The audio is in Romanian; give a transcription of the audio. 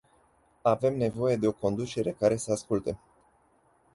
Avem nevoie de o conducere care să asculte.